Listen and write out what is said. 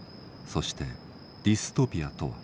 そしてディストピアとは」。